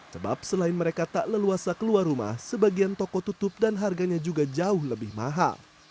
sebab selain mereka tak leluasa keluar rumah sebagian toko tutup dan harganya juga jauh lebih mahal